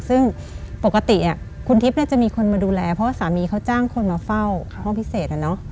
ซึ่งปกติคุณทิพย์จะมีคนมาดูแลเพราะว่าสามีเขาจ้างคนมาเฝ้าห้องพิเศษ